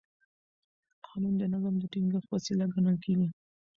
قانون د نظم د ټینګښت وسیله ګڼل کېږي.